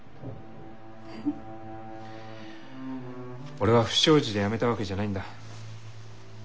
俺は不祥事で辞めたわけじゃないんだ。